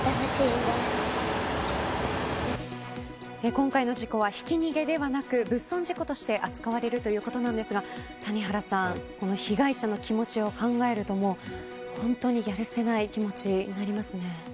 今回の事故はひき逃げではなく物損事故として扱われるということなんですが谷原さん被害者の気持ちを考えると本当にやるせない気持ちになりますね。